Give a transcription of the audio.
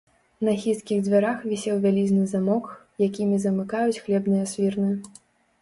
На хісткіх дзвярах вісеў вялізны замок, якімі замыкаюць хлебныя свірны.